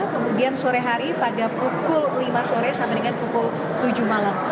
kemudian sore hari pada pukul lima sore sampai dengan pukul tujuh malam